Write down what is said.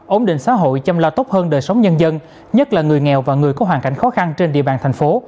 ổn định xã hội chăm lo tốt hơn đời sống nhân dân nhất là người nghèo và người có hoàn cảnh khó khăn trên địa bàn thành phố